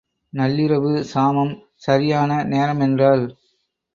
நள்ளிரவு, சாமம் சரியான நேரம் என்றாள்.